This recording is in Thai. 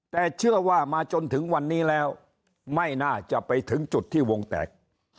แต่เชื่อว่ามาจนถึงวันนี้แล้วไม่น่าจะไปถึงจุดที่วงแตก